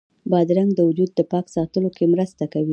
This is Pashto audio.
بادرنګ د وجود پاک ساتلو کې مرسته کوي.